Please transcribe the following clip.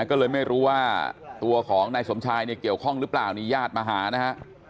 ก็เลยไม่รู้ว่าตัวของนายสมชายเนี่ยเกี่ยวข้องหรือเปล่านี่ญาติมาหานะฮะ